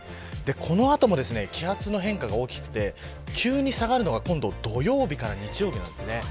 この後も気圧の変化が大きくて急に下がるのが、今度土曜日から日曜日です。